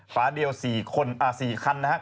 ฝาเดียว๔คันนะครับ